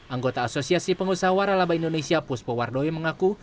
anggota asosiasi pengusaha waralaba indonesia puspo wardoyo mengaku